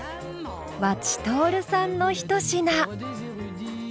和知徹さんのひと品。